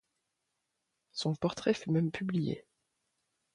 Son portrait fut même publié.